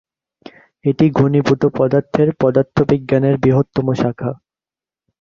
এটি ঘনীভূত পদার্থের পদার্থবিজ্ঞানের বৃহত্তম শাখা।